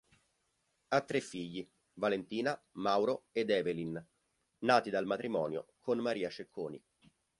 Ha tre figli Valentina, Mauro ed Evelyn, nati dal matrimonio con Maria Cecconi.